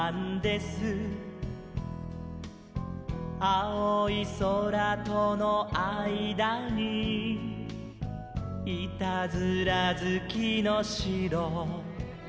「あおいそらとのあいだにいたずらずきのしろ」